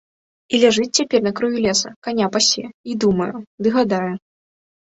І ляжыць цяпер на краю лесу, каня пасе, і думае ды гадае.